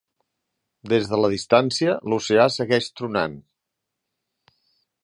Des de la distància, l'oceà segueix tronant.